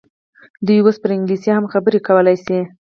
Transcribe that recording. دوی اوس پر انګلیسي هم خبرې کولای شي.